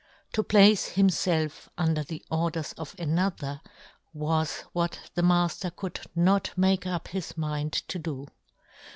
To place himfelf under the orders of another was what the Mafter could not make up his mind to do.